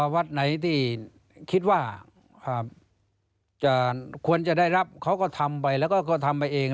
วัดไหนที่คิดว่าควรจะได้รับเขาก็ทำไปแล้วก็ทำไปเอง